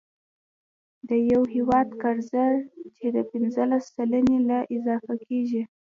د یو هیواد قرضه چې د پنځلس سلنې نه اضافه کیږي،